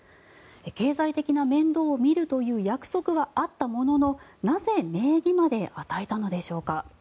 経済的な面倒を見るという約束はあったもののなぜ名義まで与えたのでしょうか。